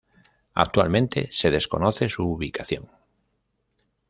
Actualmente se desconoce su ubicación.